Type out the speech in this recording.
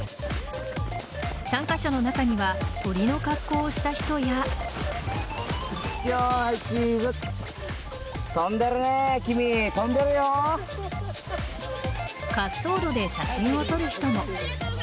参加者の中には鳥の格好をした人や滑走路で写真を撮る人も。